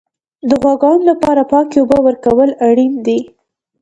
د غواګانو لپاره پاکې اوبه ورکول اړین دي.